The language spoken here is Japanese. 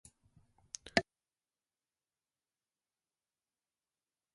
サービス精神はかなり旺盛なほう